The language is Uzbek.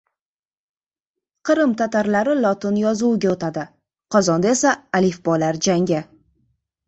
Qrim tatarlari lotin yozuviga o‘tadi, Qozonda esa alifbolar "jangi"